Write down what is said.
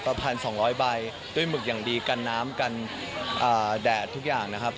๑๒๐๐ใบด้วยหมึกอย่างดีกันน้ำกันแดดทุกอย่างนะครับ